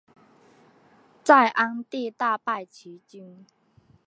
在鞍地大败齐军。